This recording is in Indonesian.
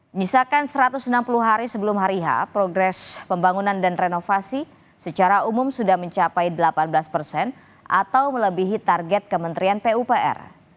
misalkan satu ratus enam puluh hari sebelum hari h progres pembangunan dan renovasi secara umum sudah mencapai delapan belas persen atau melebihi target kementerian pupr